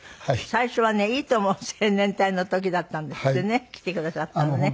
最初はねいいとも青年隊の時だったんですってね来てくださったのね。